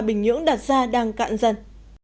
bình nhưỡng đặt ra đang cạn dần